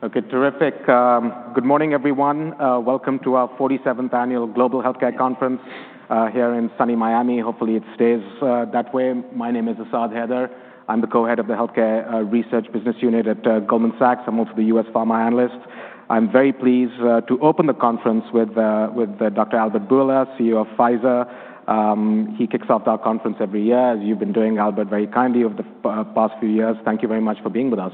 Okay, terrific. Good morning, everyone. Welcome to our 47th Annual Global Healthcare Conference here in sunny Miami. Hopefully, it stays that way. My name is Asad Haider. I'm the Co-Head of the Healthcare Research business unit at Goldman Sachs. I'm also the U.S. Pharma Analyst. I'm very pleased to open the conference with Dr. Albert Bourla, CEO of Pfizer. He kicks off our conference every year, as you've been doing, Albert, very kindly over the past few years. Thank you very much for being with us.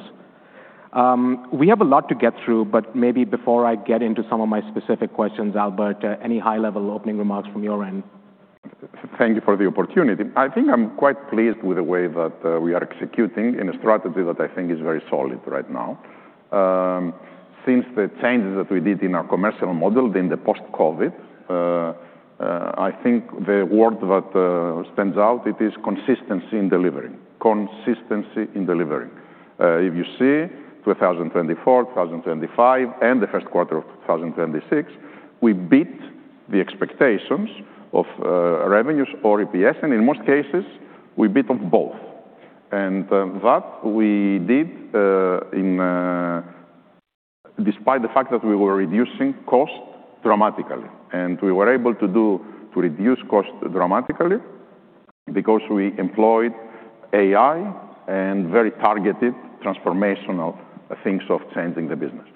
We have a lot to get through, but maybe, before I get into some of my specific questions, Albert, any high-level opening remarks from your end? Thank you for the opportunity. I think I'm quite pleased with the way that we are executing in a strategy that I think is very solid right now. Since the changes that we did in our commercial model in the post-COVID, I think the word that stands out, it is consistency in delivery. Consistency in delivery. If you see 2024, 2025, and the first quarter of 2026, we beat the expectations of revenues or EPS, and in most cases, we beat on both. That we did despite the fact that we were reducing cost dramatically, and we were able to reduce cost dramatically because we employed AI and very targeted transformational things of changing the business.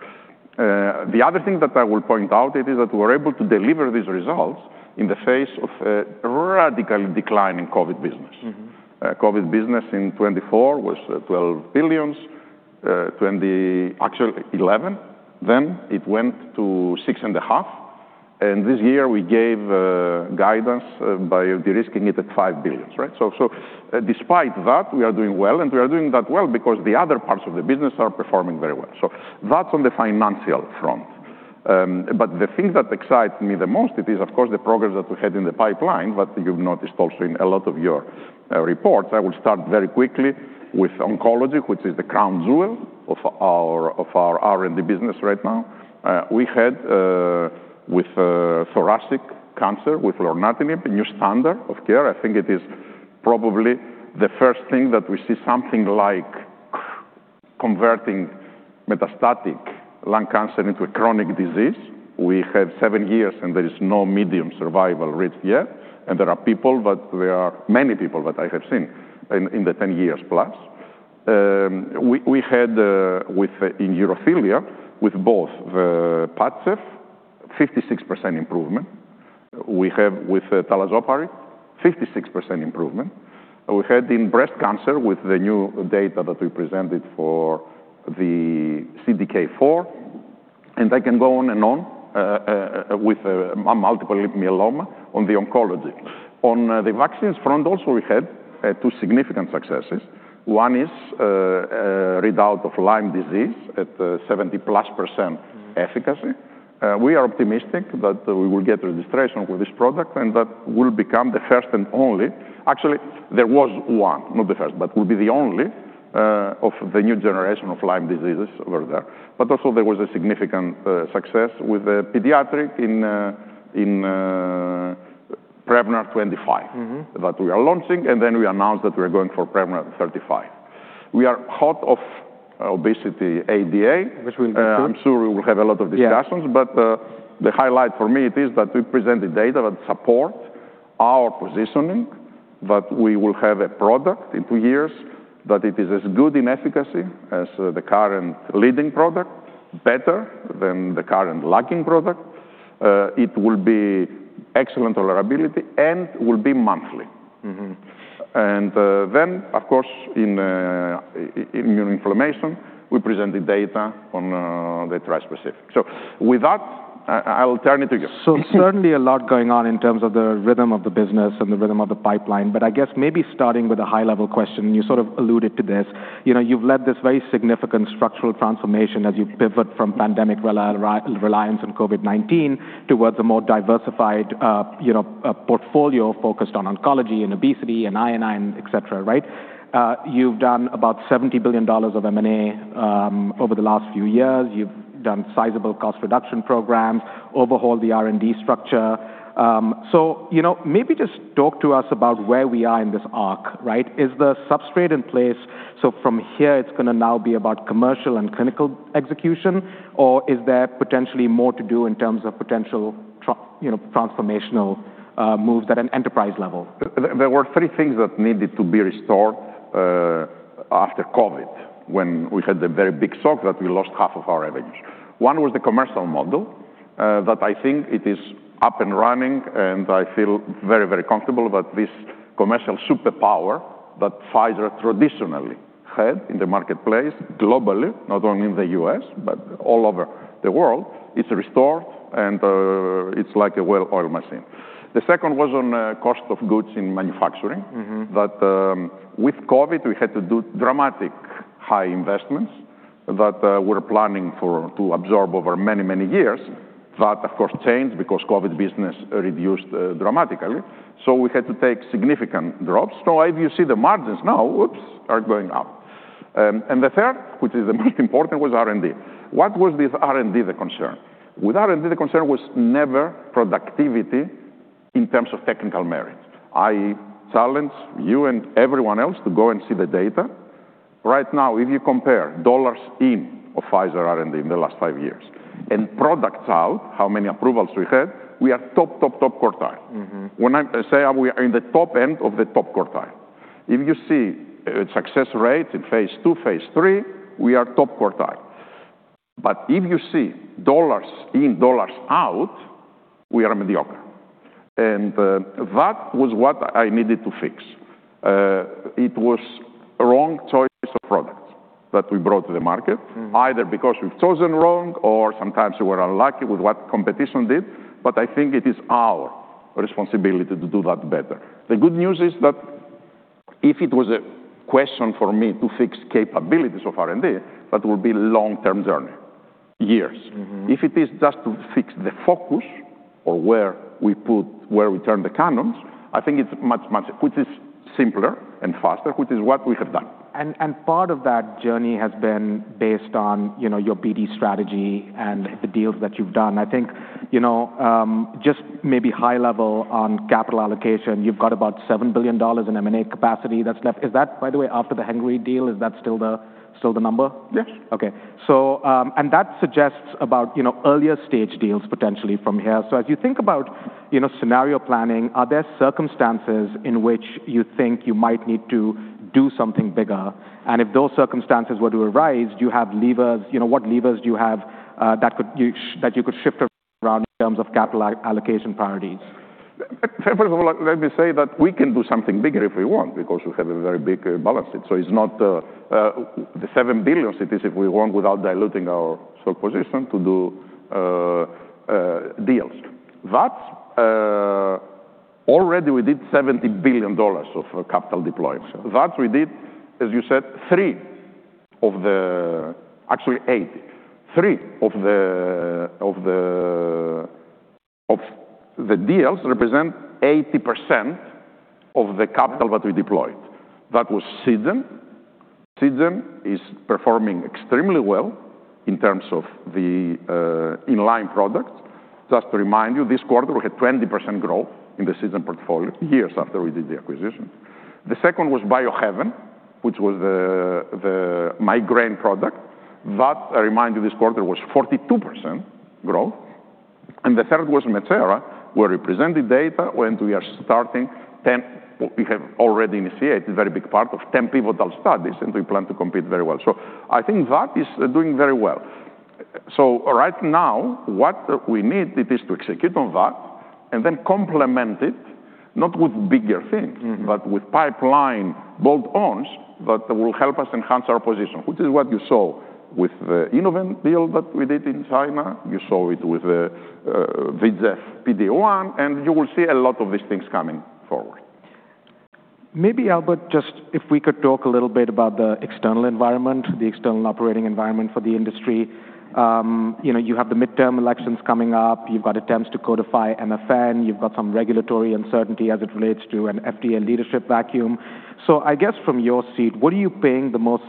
The other thing that I will point out it is that we were able to deliver these results in the face of a radical decline in COVID business. COVID business in 2024 was $12 billion, actually $11 billion, then it went to $6.5 billion, and this year, we gave guidance by de-risking it at $5 billion. Despite that, we are doing well, and we are doing that well because the other parts of the business are performing very well. That's on the financial front. But the thing that excites me the most, it is of course the progress that we had in the pipeline, but you've noticed also in a lot of your reports. I will start very quickly with oncology, which is the crown jewel of our R&D business right now. We had with thoracic cancer, with lorlatinib, a new standard of care. I think it is probably the first thing that we see something like converting metastatic lung cancer into a chronic disease. We have seven years, and there is no medium survival risk yet, and there are people, many people that I have seen in the 10+ years. We had in urothelial, with both, the PADCEV, 56% improvement. We have with talazoparib, 56% improvement. We had in breast cancer with the new data that we presented for the CDK4, and I can go on and on with multiple myeloma on the oncology. On the vaccines front also, we had two significant successes. One is readout of Lyme disease at 70+% efficacy. We are optimistic that we will get registration for this product, and that will become the first and only. Actually, there was one, not the first, but will be the only of the new generation of Lyme diseases over there. Also, there was a significant success with the pediatric in Prevnar 25 that we are launching, and then we announced that we are going for Prevnar 35. We are hot off obesity ADA. Which we'll get to. I'm sure we will have a lot of discussions. Yeah. But the highlight for me, it is that we presented data that support our positioning, that we will have a product in two years, that it is as good in efficacy as the current leading product, better than the current lagging product. It will be excellent tolerability and will be monthly. Then, of course, in immune inflammation, we presented data on the trispecific. With that, I will turn it to you. Certainly, a lot going on in terms of the rhythm of the business and the rhythm of the pipeline, but I guess, maybe, starting with a high-level question, you sort of alluded to this. You know, you've led this very significant structural transformation as you pivot from pandemic reliance on COVID-19 towards a more diversified portfolio focused on oncology and obesity and I&I, and et cetera, right? You've done about $70 billion of M&A over the last few years. You've done sizable cost reduction programs, overhauled the R&D structure. So, maybe, just talk to us about where we are in this arc, right? Is the substrate in place, so from here, it's going to now be about commercial and clinical execution? Or is there potentially more to do in terms of potential transformational moves at an enterprise level? There were three things that needed to be restored after COVID, when we had the very big shock that we lost half of our revenues. One was the commercial model, that I think it is up and running, and I feel very comfortable that this commercial superpower that Pfizer traditionally had in the marketplace globally, not only in the U.S., but all over the world, is restored, and it's like a well-oiled machine. The second was on cost of goods in manufacturing, that with COVID, we had to do dramatic high investments that we're planning to absorb over many, many years. That, of course, changed because COVID business reduced dramatically. We had to take significant drops. Now, if you see the margins now, oops, are going up. The third, which is the most important, was R&D. What was with R&D, the concern? With R&D, the concern was never productivity, in terms of technical merit. I challenge you and everyone else to go and see the data. Right now, if you compare dollars in of Pfizer R&D in the last five years and products out, how many approvals we had, we are top, top quartile. I say we are in the top end of the top quartile. If you see success rate in phase II, phase III, we are top quartile. But if you see dollars in, dollars out, we are mediocre. That was what I needed to fix. It was wrong choice of products that we brought to the market, either because we've chosen wrong or sometimes, we were unlucky with what competition did, but I think it is our responsibility to do that better. The good news is that if it was a question for me to fix capabilities of R&D, that will be long-term journey, years. If it is just to fix the focus or where we turn the cannons, I think it's much, much simpler and faster, which is what we have done. And part of that journey has been based on your BD strategy and the deals that you've done. I think, just maybe high level on capital allocation, you've got about $7 billion in M&A capacity that's left. Is that, by the way, after the Hengrui deal, is that still the number? Yes. Okay. So, that suggests about earlier stage deals potentially from here. As you think about scenario planning, are there circumstances in which you think you might need to do something bigger? And if those circumstances were to arise, do you have levers, you know, what levers do you have that you could shift around in terms of capital allocation priorities? First of all, let me say that we can do something bigger if we want, because we have a very big balance sheet. It's not the $7 billion, it is if we want, without diluting our sole position to do deals. That, already we did $70 billion of capital deployment. Sure. That we did, as you said, three of the, actually eight, three of the deals represent 80% of the capital that we deployed. That was Seagen. Seagen is performing extremely well in terms of the in-line products. Just to remind you, this quarter, we had 20% growth in the Seagen portfolio years after we did the acquisition. The second was Biohaven, which was the migraine product. That, I remind you this quarter, was 42% growth. The third was Metsera. We represented data when we are starting 10, we have already initiated a very big part of 10 pivotal studies, and we plan to compete very well. I think that is doing very well. Right now, what we need it is to execute on that and then complement it, not with bigger things but with pipeline bolt-ons that will help us enhance our position, which is what you saw with the Innovent deal that we did in China. You saw it with the VEGF PD-1, and you will see a lot of these things coming forward. Maybe, Albert, just if we could talk a little bit about the external environment, the external operating environment for the industry. You have the midterm elections coming up. You've got attempts to codify MFN. You've got some regulatory uncertainty as it relates to an FDA leadership vacuum. I guess from your seat, what are you paying the most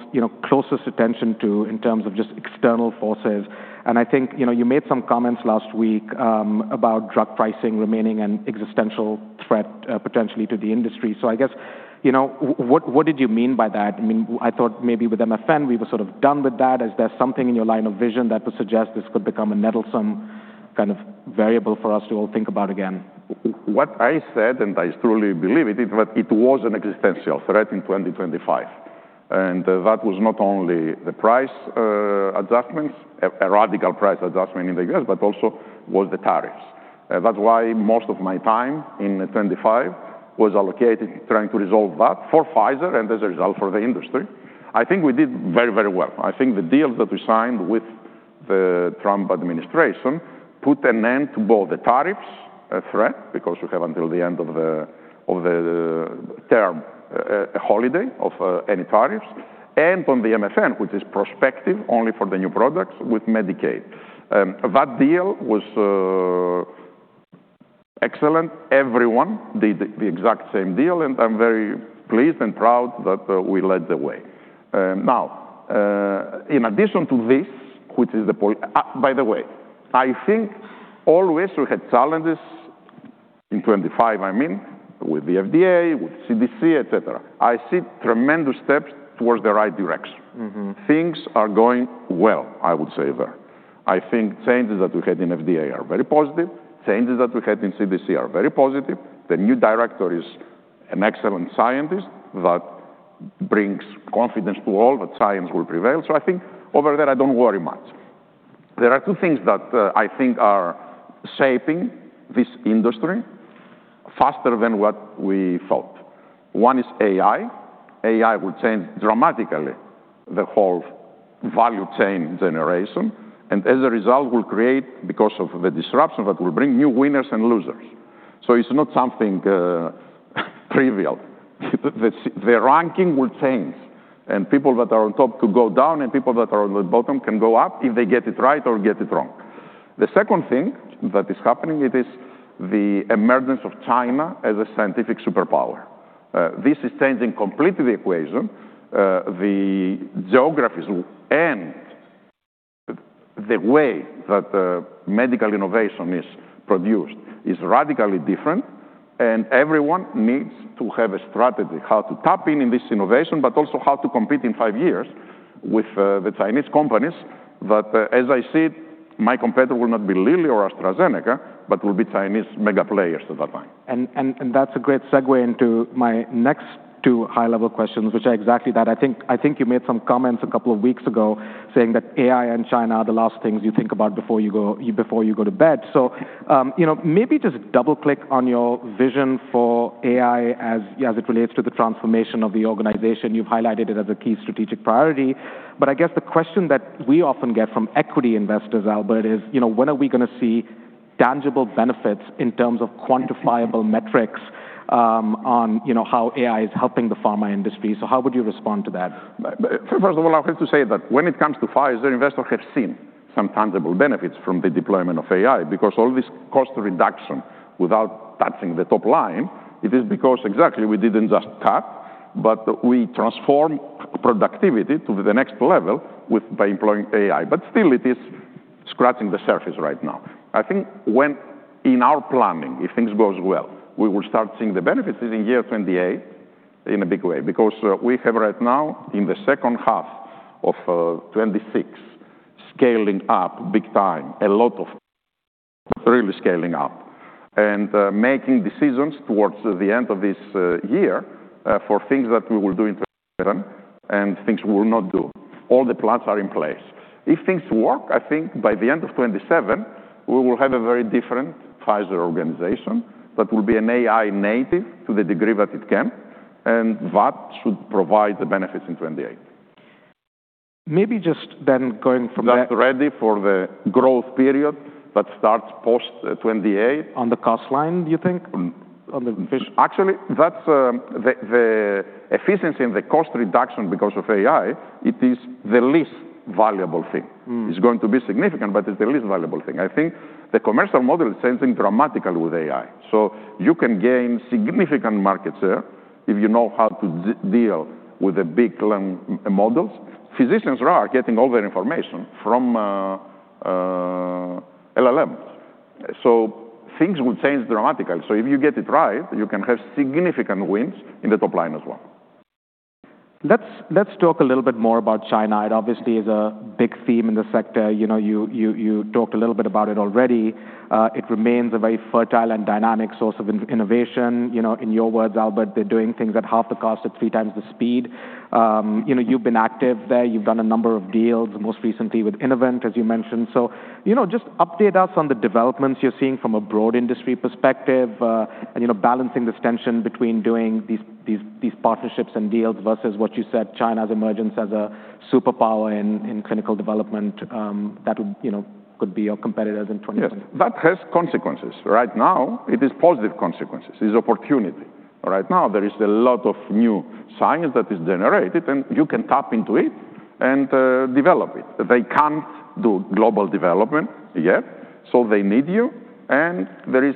closest attention to in terms of just external forces? I think you made some comments last week about drug pricing remaining an existential threat, potentially to the industry. I guess, what did you mean by that? I thought, maybe with MFN, we were sort of done with that. Is there something in your line of vision that would suggest this could become a nettlesome kind of variable for us to all think about again? What I said, and I truly believe it, is that it was an existential threat in 2025, and that was not only the price adjustments, a radical price adjustment in the U.S., but also was the tariffs. That's why most of my time in 2025 was allocated trying to resolve that for Pfizer, and as a result, for the industry. I think we did very, very well. I think the deals that we signed with the Trump administration put an end to both the tariffs threat, because we have until the end of the term, a holiday of any tariffs, and on the MFN, which is prospective only for the new products with Medicaid. That deal was excellent. Everyone did the exact same deal, and I'm very pleased and proud that we led the way. In addition to this, which is the point, by the way, I think, always, we had challenges in 2025, I mean, with the FDA, with CDC, et cetera. I see tremendous steps towards the right direction. Things are going well, I would say there. I think changes that we had in FDA are very positive. Changes that we had in CDC are very positive. The new director is an excellent scientist that brings confidence to all that science will prevail. I think over there, I don't worry much. There are two things that I think are shaping this industry faster than what we thought. One is AI. AI will change dramatically the whole value chain generation, and as a result, will create, because of the disruption that will bring new winners and losers. It's not something trivial. The ranking will change, and people that are on top could go down, and people that are on the bottom can go up if they get it right or get it wrong. The second thing that is happening, it is the emergence of China as a scientific superpower. This is changing completely the equation. The geographies and the way that medical innovation is produced is radically different, and everyone needs to have a strategy how to tap in this innovation, but also how to compete, in five years, with the Chinese companies. As I see it, my competitor will not be Lilly or AstraZeneca but will be Chinese mega players at that time. That's a great segue into my next two high-level questions, which are exactly that. I think you made some comments a couple of weeks ago saying that AI and China are the last things you think about before you go to bed. Maybe just double-click on your vision for AI as it relates to the transformation of the organization. You've highlighted it as a key strategic priority, but I guess the question that we often get from equity investors, Albert, is when are we going to see tangible benefits in terms of quantifiable metrics on how AI is helping the pharma industry? How would you respond to that? First of all, I have to say that when it comes to Pfizer, investors have seen some tangible benefits from the deployment of AI because all this cost reduction without touching the top line, it is because exactly we didn't just tap, but we transformed productivity to the next level by employing AI. But still, it is scratching the surface right now. I think when, in our planning, if things goes well, we will start seeing the benefits in year 2028 in a big way because we have, right now in the second half of 2026, scaling up big time. A lot of really standing out and making decisions towards the end of this year for things that we will do in 2027 and things we will not do. All the plans are in place. If things work, I think by the end of 2027, we will have a very different Pfizer organization that will be an AI native to the degree that it can, and that should provide the benefits in 2028. Maybe, just then going from there. That's ready for the growth period that starts post-2028. On the cost line, do you think? On the vision? Actually, the efficiency and the cost reduction because of AI, it is the least valuable thing. It's going to be significant, but it's the least valuable thing. I think the commercial model is changing dramatically with AI. You can gain significant market share if you know how to deal with the big language models. Physicians are getting all their information from LLMs, so things will change dramatically. If you get it right, you can have significant wins in the top line as well. Let's talk a little bit more about China. It obviously is a big theme in the sector. You talked a little bit about it already. It remains a very fertile and dynamic source of innovation. In your words, Albert, they're doing things at half the cost at three times the speed. You've been active there. You've done a number of deals, most recently with Innovent, as you mentioned. So, you know, just update us on the developments you're seeing from a broad industry perspective, and balancing this tension between doing these partnerships and deals versus what you said, China's emergence as a superpower in clinical development that could be your competitors in 2030. Yes. That has consequences. Right now, it is positive consequences. It is opportunity. Right now, there is a lot of new science that is generated, and you can tap into it and develop it. They can't do global development yet, so they need you, and there is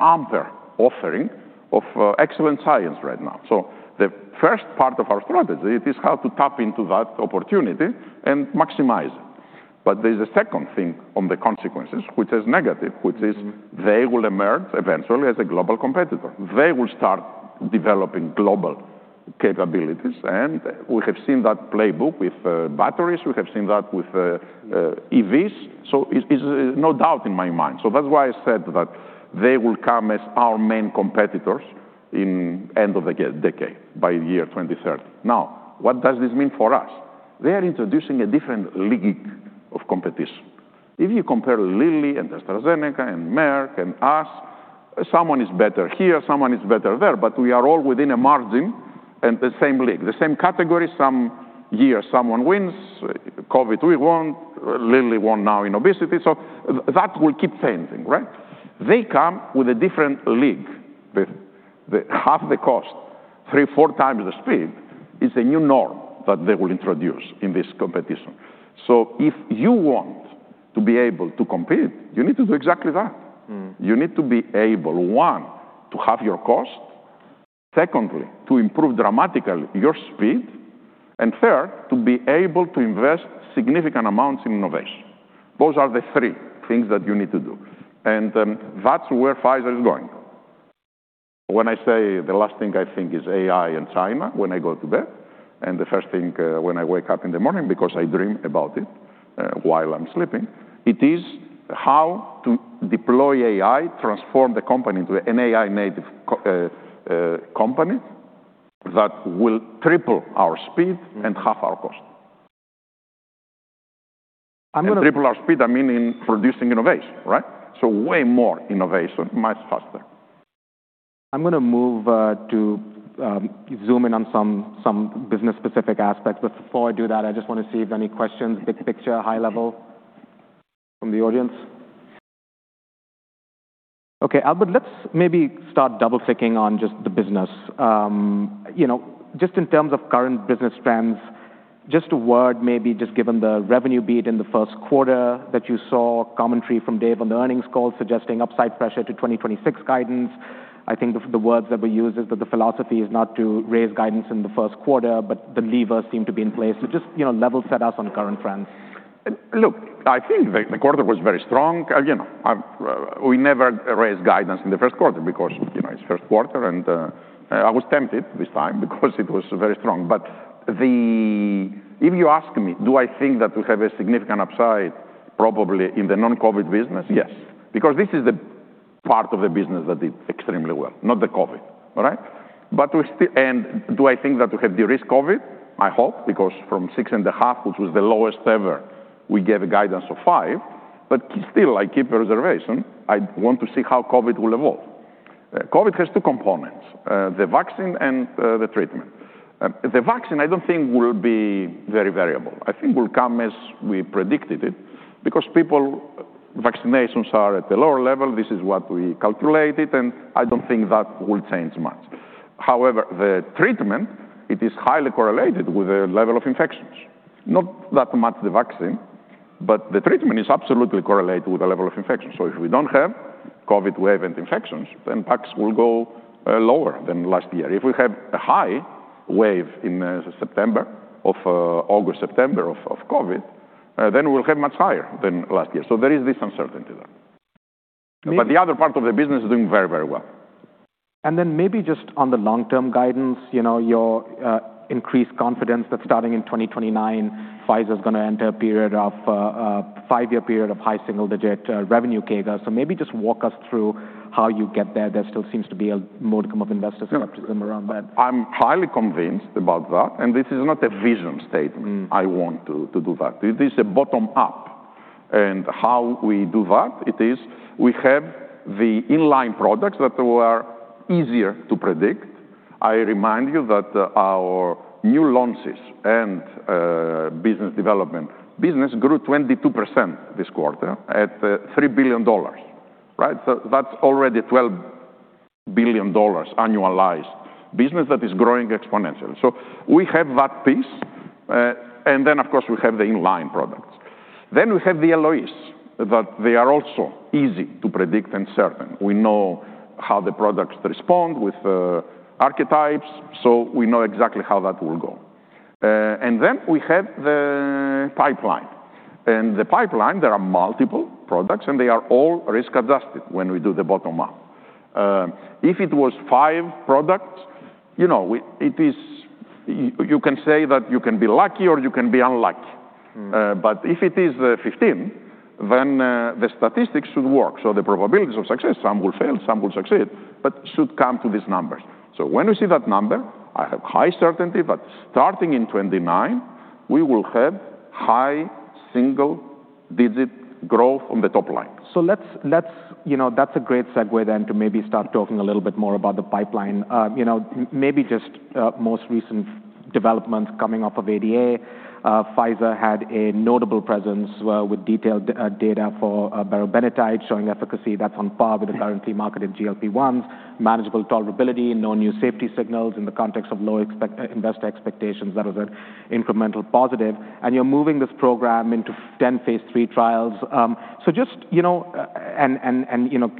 ample offering of excellent science right now. So, the first part of our strategy is how to tap into that opportunity and maximize it. But there's a second thing on the consequences, which is negative, which is they will emerge eventually as a global competitor. They will start developing global capabilities, and we have seen that playbook with batteries. We have seen that with EVs. It is no doubt in my mind. That's why I said that they will come as our main competitors in end of the decade, by year 2030. Now, what does this mean for us? They are introducing a different league of competition. If you compare Lilly and AstraZeneca and Merck and us, someone is better here, someone is better there, but we are all within a margin and the same league, the same category. Some year someone wins. COVID, we won. Lilly won now in obesity. That will keep changing, right? They come with a different league. The half the cost, three, four times the speed is a new norm that they will introduce in this competition. If you want to be able to compete, you need to do exactly that. You need to be able, one, to half your cost. Secondly, to improve dramatically your speed. Third, to be able to invest significant amounts in innovation. Those are the three things that you need to do, and that's where Pfizer is going. When I say the last thing I think is AI and China when I go to bed, and the first thing when I wake up in the morning, because I dream about it while I'm sleeping, it is how to deploy AI, transform the company to an AI native company that will triple our speed and half our cost. I'm going to. Triple our speed, I mean in producing innovation, right? So, way more innovation, much faster. I'm going to move to zoom in on some business specific aspects. Before I do that, I just want to see if any questions, big picture, high level from the audience. Okay, Albert, let's maybe start double-clicking on just the business. Just in terms of current business trends, just a word maybe just given the revenue beat in the first quarter that you saw, commentary from Dave on the earnings call suggesting upside pressure to 2026 guidance. I think the words that we use is that the philosophy is not to raise guidance in the first quarter, but the levers seem to be in place. So just, you know, level set us on current trends. Look, I think the quarter was very strong. Again, we never raise guidance in the first quarter because it's first quarter, and I was tempted this time because it was very strong, but if you ask me, do I think that we have a significant upside probably in the non-COVID business? Yes. Because this is the part of the business that did extremely well, not the COVID. All right? But do I think that we have de-risked COVID? I hope, because from $6.5 billion, which was the lowest ever, we gave a guidance of $5 billion, but still, I keep a reservation. I want to see how COVID will evolve. COVID has two components, the vaccine and the treatment. The vaccine, I don't think will be very variable. I think will come as we predicted it, because people, vaccinations are at a lower level. This is what we calculated and I don't think that will change much. However, the treatment, it is highly correlated with the level of infections. Not that much the vaccine, but the treatment is absolutely correlated with the level of infections. If we don't have COVID wave and infections, then PAXLOVID will go lower than last year. If we have a high wave in September, August, September of COVID, then we'll have much higher than last year. There is this uncertainty there. The other part of the business is doing very, very well. Maybe just on the long-term guidance, your increased confidence that starting in 2029, Pfizer's going to enter a five-year period of high single-digit revenue CAGR. Maybe just walk us through how you get there. There still seems to be a modicum of investor skepticism around that. I'm highly convinced about that, and this is not a vision statement I want to do that. This is a bottom up. How we do that, it is we have the in-line products that were easier to predict. I remind you that our new launches and business development business grew 22% this quarter at $3 billion. That's already $12 billion annualized business that is growing exponentially. We have that piece. Then, of course, we have the in-line products. Then, we have the LOEs, that they are also easy to predict and certain. We know how the products respond with archetypes. We know exactly how that will go. We have the pipeline. In the pipeline, there are multiple products, and they are all risk-adjusted when we do the bottom up. If it was five products, you can say that you can be lucky or you can be unlucky. If it is 15, then the statistics should work. The probabilities of success, some will fail, some will succeed, but should come to these numbers. When we see that number, I have high certainty. But starting in 2029, we will have high single-digit growth on the top line. You know, that's a great segue then to maybe start talking a little bit more about the pipeline. Maybe, just most recent developments coming off of ADA. Pfizer had a notable presence with detailed data for berobenatide, showing efficacy that's on par with the currently marketed GLP-1s, manageable tolerability, no new safety signals in the context of low investor expectations. That is an incremental positive. You're moving this program into 10 phase III trials, so just, you know, and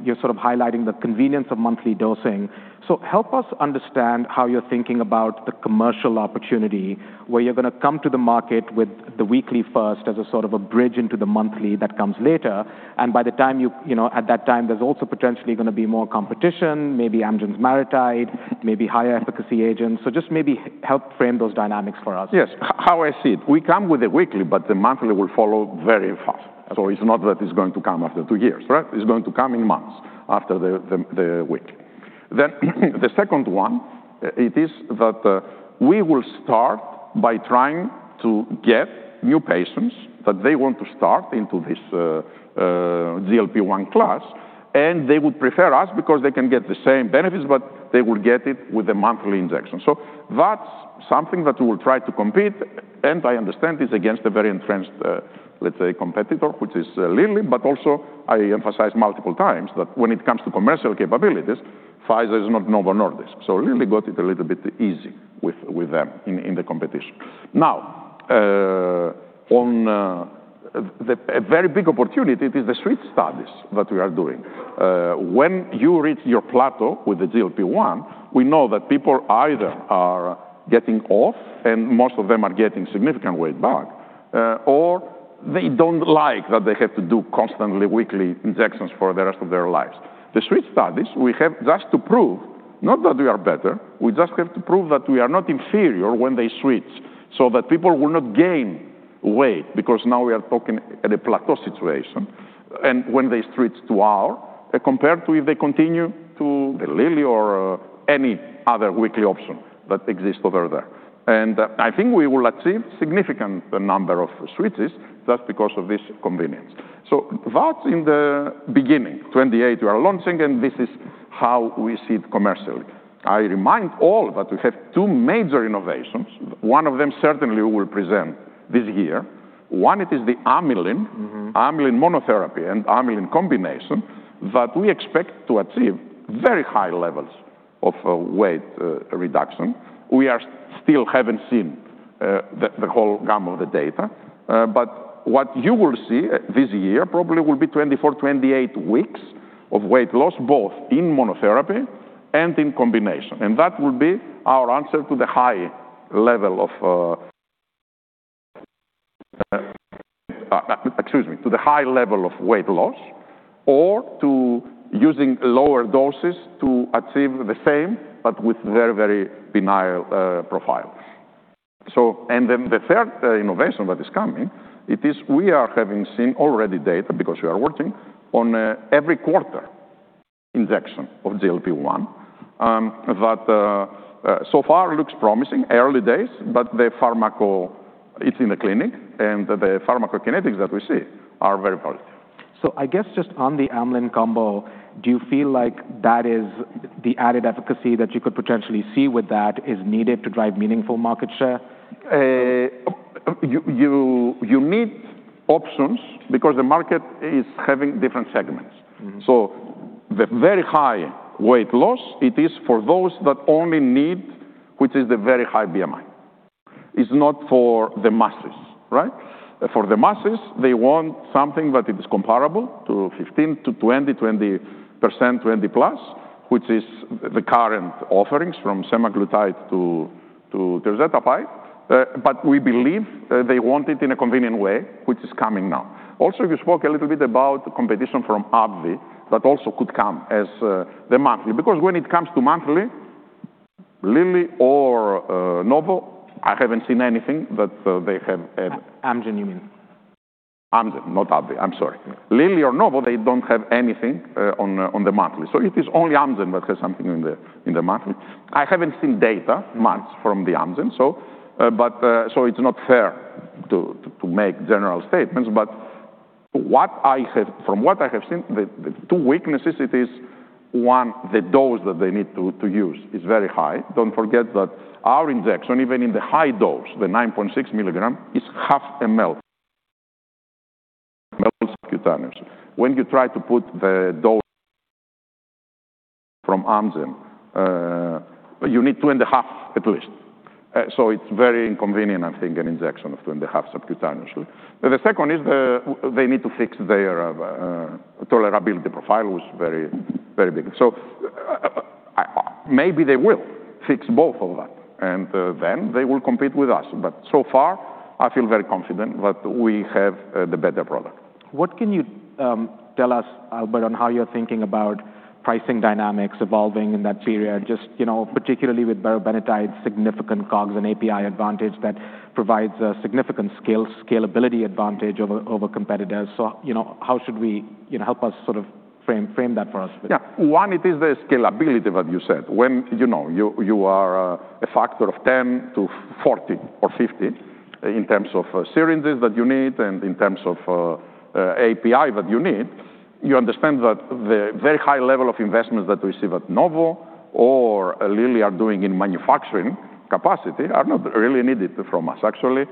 you're sort of highlighting the convenience of monthly dosing, so help us understand how you're thinking about the commercial opportunity, where you're going to come to the market with the weekly first as a sort of a bridge into the monthly that comes later. By the time, at that time, there's also potentially going to be more competition, maybe Amgen's MariTide, maybe higher efficacy agents. Just maybe help frame those dynamics for us. Yes. How I see it, we come with the weekly, but the monthly will follow very fast. It's not that it's going to come after two years, right? It's going to come in months after the weekly. The second one, it is that we will start by trying to get new patients that they want to start into this GLP-1 class, and they would prefer us because they can get the same benefits, but they will get it with a monthly injection. That's something that we will try to compete, and I understand it's against a very entrenched, let's say, competitor, which is Lilly. But also, I emphasize multiple times that when it comes to commercial capabilities, Pfizer is not Novo Nordisk. Lilly got it a little bit easy with them in the competition. Now, a very big opportunity is the switch studies that we are doing. When you reach your plateau with the GLP-1, we know that people either are getting off and most of them are getting significant weight back, or they don't like that they have to do constantly weekly injections for the rest of their lives. The switch studies we have, just to prove, not that we are better, we just have to prove that we are not inferior when they switch, so that people will not gain weight, because now we are talking at a plateau situation. When they switch to our, compared to if they continue to the Lilly or any other weekly option that exists over there, and I think we will achieve significant number of switches just because of this convenience. That's in the beginning. 2028, we are launching, and this is how we see it commercially. I remind all that we have two major innovations. One of them certainly we will present this year. One, it is the amylin, amylin monotherapy and amylin combination that we expect to achieve very high levels of weight reduction. We still haven't seen the whole gamut of the data, but what you will see this year, probably will be 24, 28 weeks of weight loss, both in monotherapy and in combination. That will be our answer to the high level of weight loss or to using lower doses to achieve the same, but with very, very benign profiles. The third innovation that is coming, it is we are having seen already data because we are working on every quarter injection of GLP-1. That so far looks promising. Early days, but it's in the clinic, and the pharmacokinetics that we see are very positive. I guess just on the amylin combo, do you feel like the added efficacy that you could potentially see with that is needed to drive meaningful market share? You need options because the market is having different segments. The very high weight loss, it is for those that only need, which is the very high BMI. It's not for the masses, right? For the masses, they want something that it is comparable to 15%-20%, 20%+, which is the current offerings from semaglutide to tirzepatide. But we believe they want it in a convenient way, which is coming now. Also, you spoke a little bit about competition from AbbVie, that also could come as the monthly. When it comes to monthly, Lilly or Novo, I haven't seen anything that they have. Amgen, you mean. Amgen, not AbbVie. I'm sorry. Yeah. Lilly or Novo, they don't have anything on the monthly. It is only Amgen that has something in the monthly. I haven't seen data much from Amgen, so it's not fair to make general statements. But from what I have seen, the two weaknesses, it is, one, the dose that they need to use is very high. Don't forget that our injection, even in the high dose, the 9.6 mg is 0.5 ml subcutaneous. When you try to put the dose from Amgen, you need 2.5 ml at least. So, it's very inconvenient, I think, an injection of two and a half subcutaneous. The second is they need to fix their tolerability profile was very, very big. Maybe they will fix both of that, and then they will compete with us. But so far, I feel very confident that we have the better product. What can you tell us, Albert, on how you're thinking about pricing dynamics evolving in that period, just particularly with berobenatide, significant COGS and API advantage that provides a significant scalability advantage over competitors. So, you know, how should we, you know, help us sort of frame that for us, please. Yeah. One, it is the scalability that you said. When you are a factor of 10 to 40 or 50 in terms of syringes that you need and in terms of API that you need, you understand that the very high level of investments that we see at Novo or Lilly are doing in manufacturing capacity are not really needed from us. Actually,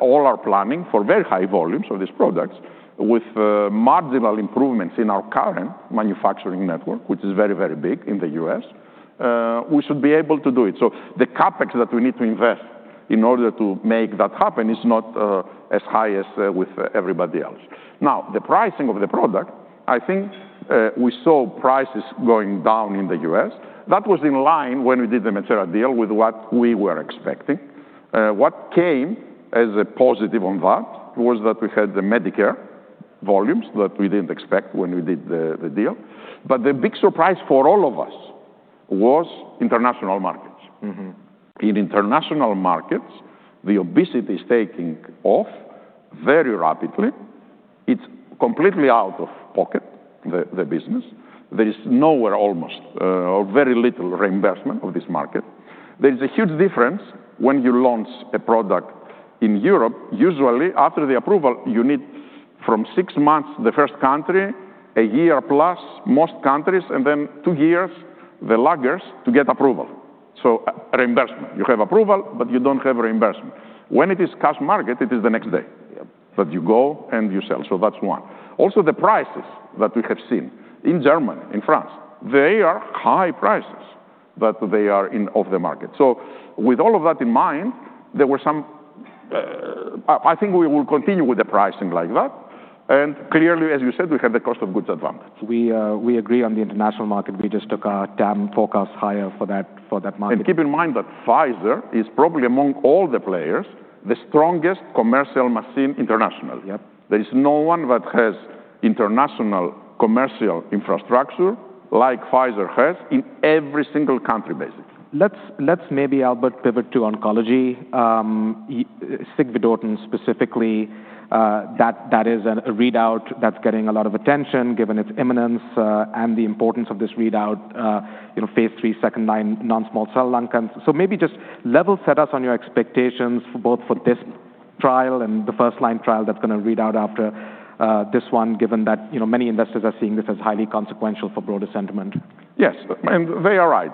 all are planning for very high volumes of these products with marginal improvements in our current manufacturing network, which is very, very big in the U.S. We should be able to do it. The CapEx that we need to invest in order to make that happen is not as high as with everybody else. Now, the pricing of the product, I think we saw prices going down in the U.S. That was in line when we did the Metsera deal with what we were expecting. What came as a positive on that was that we had the Medicare volumes that we didn't expect when we did the deal. The big surprise for all of us was international markets. In international markets, the obesity is taking off very rapidly. It's completely out of pocket, the business. There is nowhere almost or very little reimbursement of this market. There is a huge difference when you launch a product in Europe. Usually, after the approval, you need from six months, the first country, a year plus, most countries, and then two years, the laggards, to get approval. So, reimbursement. You have approval, but you don't have reimbursement. When it is cash market, it is the next day that you go and you sell. Yep. That's one. Also, the prices that we have seen in Germany, in France, they are high prices, but they are in of the market. With all of that in mind, I think we will continue with the pricing like that. Clearly, as you said, we have the cost of goods advantage. We agree on the international market. We just took our TAM forecast higher for that market. Keep in mind that Pfizer is probably, among all the players, the strongest commercial machine internationally. Yep. There is no one that has international commercial infrastructure like Pfizer has in every single country, basically. Let's maybe, Albert, pivot to oncology. Sig vedotin, specifically, that is a readout that's getting a lot of attention given its imminence and the importance of this readout, phase III second-line non-small cell lung cancer. Maybe, just level set us on your expectations both for this trial and the first-line trial that's going to read out after this one, given that many investors are seeing this as highly consequential for broader sentiment. Yes. They are right.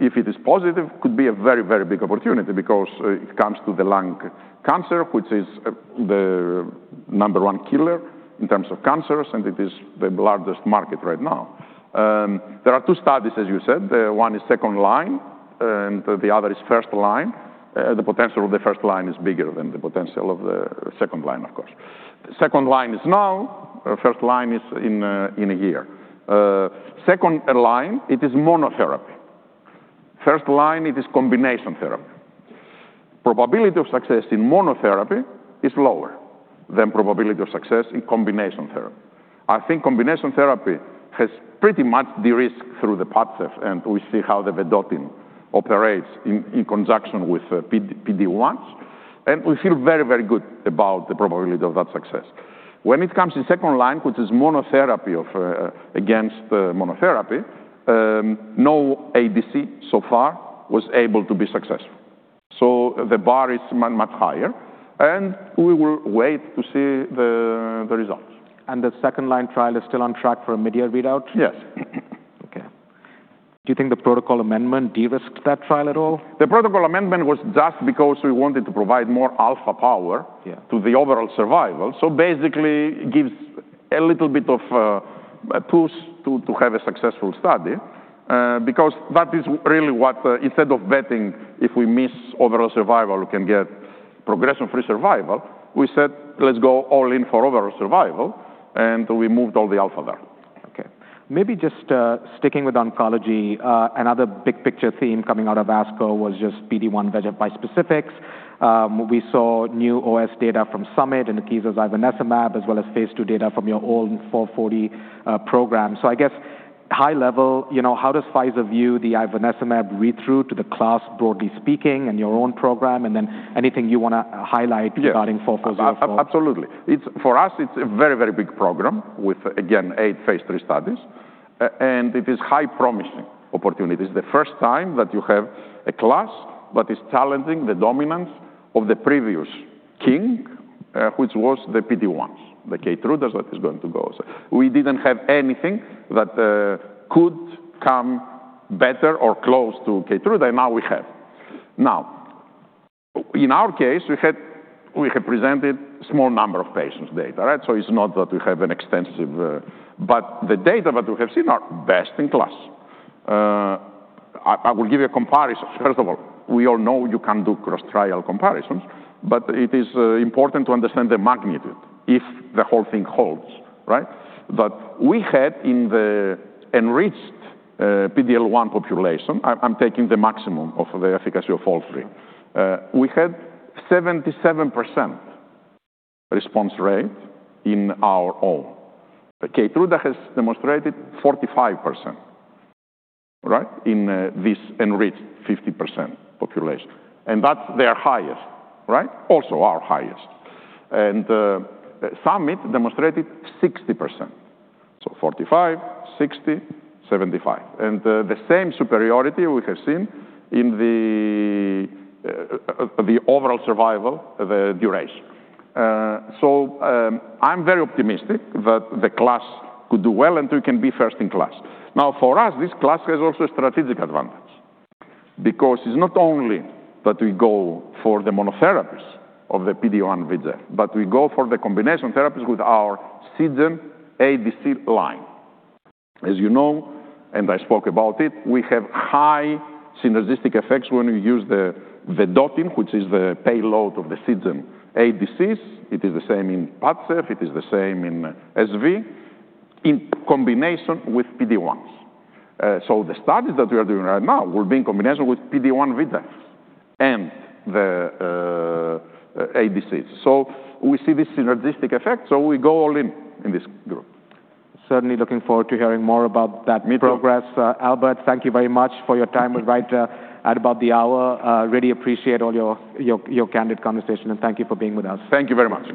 If it is positive, could be a very big opportunity because it comes to the lung cancer, which is the number one killer in terms of cancers, and it is the largest market right now. There are two studies, as you said. One is second line, the other is first line. The potential of the first line is bigger than the potential of the second line, of course. Second line is now. First line is in a year. Second line, it is monotherapy. First line, it is combination therapy. Probability of success in monotherapy is lower than probability of success in combination therapy. I think combination therapy has pretty much de-risked through the PADCEV, and we see how the vedotin operates in conjunction with PD-1s, and we feel very good about the probability of that success. When it comes to second line, which is monotherapy against monotherapy, no ADC so far was able to be successful. The bar is much higher, and we will wait to see the results. And the second line trial is still on track for a mid-year readout? Yes. Okay. Do you think the protocol amendment de-risked that trial at all? The protocol amendment was just because we wanted to provide more alpha power. Yeah. To the overall survival. Basically, it gives a little bit of a push to have a successful study, because that is really what, instead of betting, if we miss overall survival, we can get progression-free survival. We said, "Let's go all in for overall survival," and we moved all the alpha there. Okay. Maybe just sticking with oncology, another big picture theme coming out of ASCO was just PD-1/VEGF bispecifics. We saw new OS data from Summit and Akeso's ivonesimab as well as phase II data from your own 4404 program. I guess, high level, how does Pfizer view the ivonesimab read-through to the class, broadly speaking, and your own program, and then anything you want to highlight? Yes. Regarding 4404? Absolutely. For us, it's a very, very big program with, again, eight phase III studies, and it is high promising opportunities. The first time that you have a class that is challenging the dominance of the previous king, which was the PD-1s, the Keytrudas that is going to go. We didn't have anything that could come better or close to Keytruda, and now we have. Now, in our case, we have presented small number of patients' data. It's not that we have an extensive, but the data that we have seen are best in class. I will give you a comparison. First of all, we all know you can't do cross-trial comparisons, but it is important to understand the magnitude if the whole thing holds, right? That we had in the enriched PD-L1 population, I'm taking the maximum of the efficacy of all three, we had 77% response rate in our own. The Keytruda has demonstrated 45% in this enriched 50% population, and that's their highest, right? Also, our highest. Summit demonstrated 60%. So, 45%, 60%, 75%. The same superiority we have seen in the overall survival, the duration. I'm very optimistic that the class could do well, and we can be first in class. Now, for us, this class has also a strategic advantage because it's not only that we go for the monotherapies of the PD-1/VEGF, but we go for the combination therapies with our Seagen ADC line. As you know, and I spoke about it, we have high synergistic effects when we use the vedotin, which is the payload of the Seagen ADCs. It is the same in PADCEV. It is the same in SV in combination with PD-1s. The studies that we are doing right now will be in combination with PD-1/VEGF and the ADCs. We see this synergistic effect, so we go all-in in this group. Certainly, looking forward to hearing more about that progress. Me too. Albert, thank you very much for your time. We're right at about the hour. Really appreciate all your candid conversation and thank you for being with us. Thank you very much.